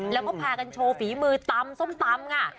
แล้วก็พากันโชว์ฝีมือตำส้มตำค่ะ